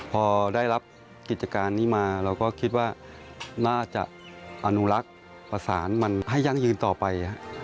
พอได้รับกิจการนี้มาเราก็คิดว่าน่าจะอนุรักษ์ประสานมันให้ยั่งยืนต่อไป